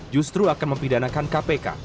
justru akan mempidanakan kpk